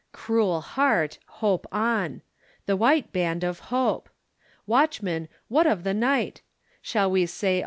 Cruel heart, hope on. The white band of hope! Watchman, what of the night? Shall we say 11.